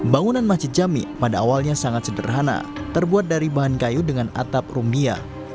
bangunan masjid jami pada awalnya sangat sederhana terbuat dari bahan kayu dengan atap rumbia